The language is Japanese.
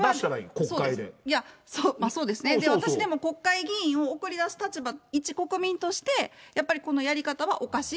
そうですね、でも私、国会議員を送り出す立場、一国民としてやっぱりこのやり方はおかしいっ